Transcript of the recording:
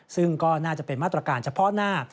ซึ่งก็น่าจะเป็นมาตรการเฉพาะหน้า